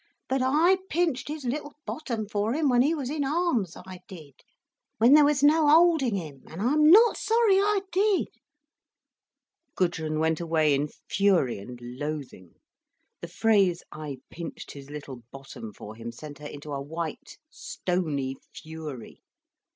But I pinched his little bottom for him when he was in arms, I did, when there was no holding him, and I'm not sorry I did—" Gudrun went away in fury and loathing. The phrase, "I pinched his little bottom for him," sent her into a white, stony fury.